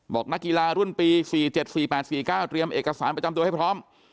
บอกนักกีฬารุ่นปีสี่เจ็ดสี่แปดสี่เก้าเตรียมเอกสารประจำตัวให้พร้อม